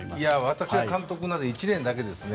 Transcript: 私が監督になったのは１年だけですね。